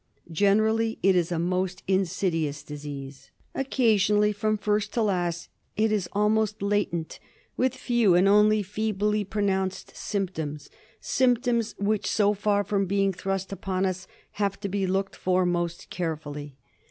Generally it is a most insidious disease. Occa sionally, from first to last, it is almost latent with few and only feebly pronounced symptoms ; symptoms which, so far from being thrust upon us, have to be looked for most carefully.